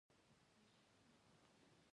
افغانستان کې مورغاب سیند د هنر په اثار کې دی.